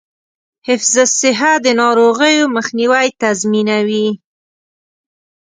حفظ الصحه د ناروغیو مخنیوی تضمینوي.